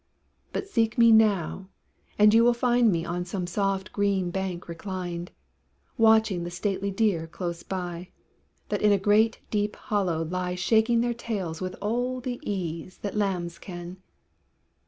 But seek me now, and you will find Me on some soft green bank reclined; Watching the stately deer close by, That in a great deep hollow lie Shaking their tails with all the ease That lambs can.